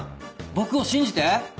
僕を信じて！